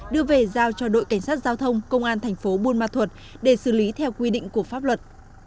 đưa về giao cho đội cảnh sát giao thông công an thành phố buôn ma thuật để xử lý theo quy định của pháp luật